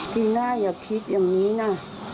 ตีหน้าอย่าคิดอย่างนี้นะ